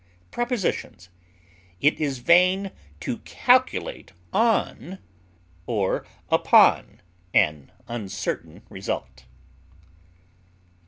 Prepositions: It is vain to calculate on or upon an uncertain result.